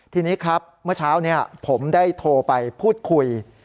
ทีนี้ครับเมื่อเช้านี้ผมได้โทรไปพูดคุย